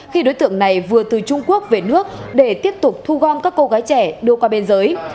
khi đối tượng này vừa từ trung quốc về nước để tiếp tục thu gom các cô gái trẻ đưa qua biên giới